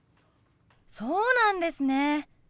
そうなんですね！